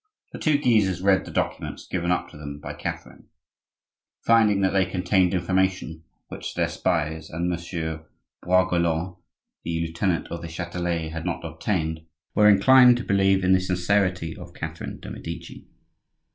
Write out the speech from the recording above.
The two Guises read the documents given up to them by Catherine. Finding that they contained information which their spies, and Monsieur Braguelonne, the lieutenant of the Chatelet, had not obtained, they were inclined to believe in the sincerity of Catherine de' Medici.